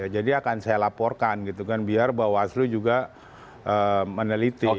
jadi akan saya laporkan gitu kan biar bawaslu juga meneliti